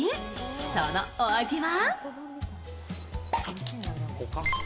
そのお味は？